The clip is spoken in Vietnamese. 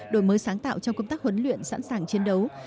đổi mới sáng tạo trong công tác huấn luyện sẵn sàng chiến đấu